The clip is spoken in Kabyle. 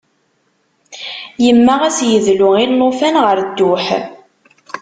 Yemmeɣ ad as-yedlu i llufan ɣer dduḥ.